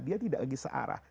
dia tidak lagi searah